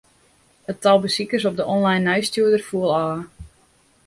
It tal besikers op de online nijsstjoerder foel ôf.